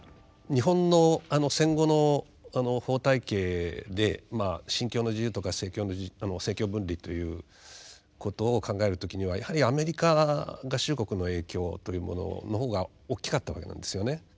日本の戦後の法体系で「信教の自由」とか政教分離ということを考える時にはやはりアメリカ合衆国の影響というものの方が大きかったわけなんですよね。